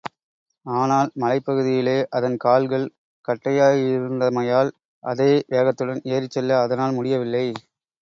ஆனால், மலைப்பகுதியிலே அதன் கால்கள் கட்டையாயிருந்தமையால், அதே வேகத்துடன் ஏறிச்செல்ல அதனால் முடியவில்லை.